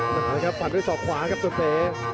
เอาล่ะครับปัดด้วยสอกขวาครับตัวเป๋